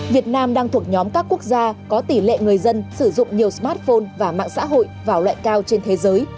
việt nam đang thuộc nhóm các quốc gia có tỷ lệ người dân sử dụng nhiều smartphone và mạng xã hội vào loại cao trên thế giới